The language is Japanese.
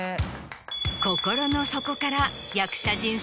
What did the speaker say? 心の底から。